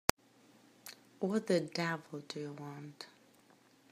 What the devil do you want?